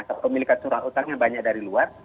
kepemilikasuran utangnya banyak dari luar